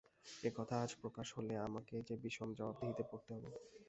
এ কথা আজ প্রকাশ হলে আমাকে যে বিষম জবাবদিহিতে পড়তে হবে।